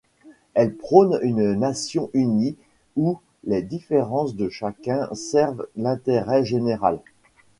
Elle prone une nation unie où les différences de chacun servent l'intérêt général.